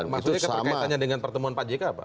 maksudnya keterkaitannya dengan pertemuan pak jk apa